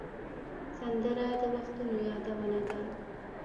سندره د وختونو یادونه ده